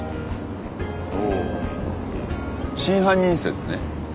おお真犯人説ね。